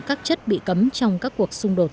các chất bị cấm trong các cuộc xung đột